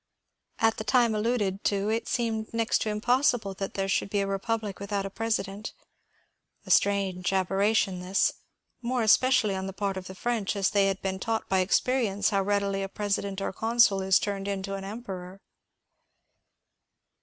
At the time alluded to it seemed next to impossible that there should be a republic without a president. A strange aberration this — more especially on the part of the EVench, as they had been taught by experi ence how readily a president or consul is turned into an emperor.